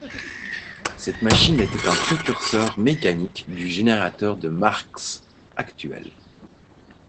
Cette machine était un précurseur mécanique du générateur de Marx actuel.